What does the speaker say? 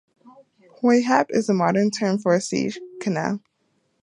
"Hoi Hap" is the modern term for a sea channel.